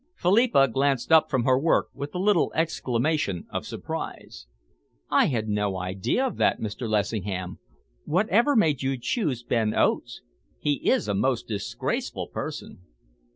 Philippa glanced up from her work with a little exclamation of surprise. "I had no idea of that, Mr. Lessingham. Whatever made you choose Ben Oates? He is a most disgraceful person."